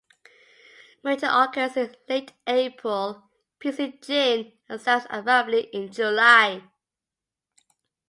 Mating occurs in late April, peaks in June and stops abruptly in July.